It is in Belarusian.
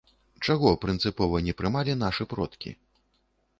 Чаго прынцыпова не прымалі нашы продкі?